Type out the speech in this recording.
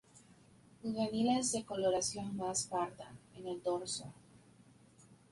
Juveniles de coloración más parda, en el dorso.